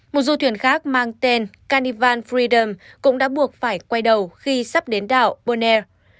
một du thuyền khác mang tên carnival freedom cũng đã buộc phải quay đầu khi sắp đến đảo bonaire